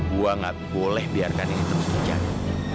gua gak boleh biarkan ini terus terjadi